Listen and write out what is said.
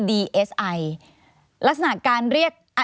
เราได้บริมันการแล้วนะครับ